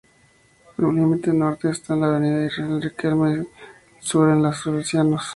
Su límite norte está en la avenida Isabel Riquelme; el sur, en la Salesianos.